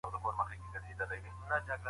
د ټولنپوهنې سابقه خورا اوږده ده.